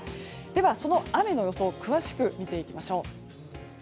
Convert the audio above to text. では、雨の予想を詳しく見ていきましょう。